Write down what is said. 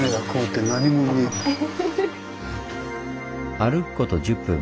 歩くこと１０分。